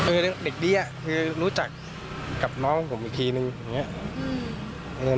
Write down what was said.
เออเด็กอ่ะคือรู้จักกับน้องผมอีกทีหนึ่งอย่างเนี้ยอืมเออ